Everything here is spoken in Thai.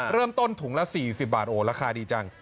เริ่มต้นถุงละ๔๐บาทราคาดีจัง